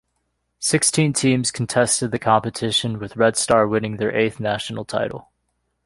Sixteen teams contested the competition, with Red Star winning their eighth national title.